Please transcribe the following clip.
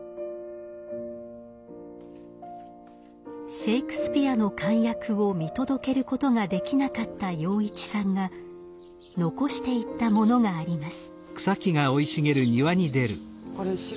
シェイクスピアの完訳を見届けることができなかった陽一さんが遺していったものがあります。